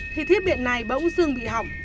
thì thiết biện này bỗng dưng bị hỏng